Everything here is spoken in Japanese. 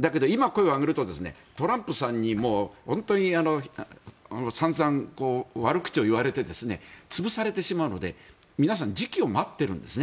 だけど今声を上げるとトランプさんにさんざん悪口を言われて潰されてしまうので皆さん時期を待っているんです。